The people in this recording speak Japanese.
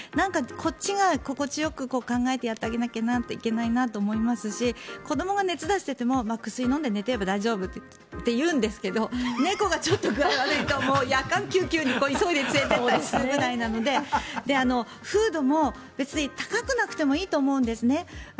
こっちが心地よく考えてやってあげないといけないなと思いますし子どもが熱を出していても薬を飲んで寝ていれば大丈夫っていうんですけど猫がちょっと具合悪いと夜間救急に急いで連れていったりするぐらいなのでフードも別に高くなくてもいいと思うんですね。